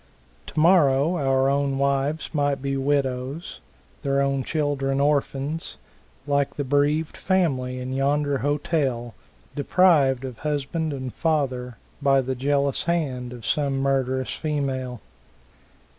Tomorrow our own wives might be widows, their own children orphans, like the bereaved family in yonder hotel, deprived of husband and father by the jealous hand of some murderous female.